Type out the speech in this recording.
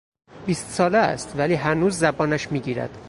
بیست ساله است ولی هنوز زبانش میگیرد.